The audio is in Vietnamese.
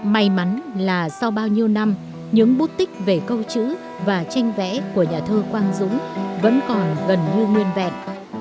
may mắn là sau bao nhiêu năm những bút tích về câu chữ và tranh vẽ của nhà thơ quang dũng vẫn còn gần như nguyên vẹn